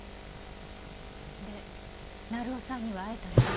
で成尾さんには会えたの？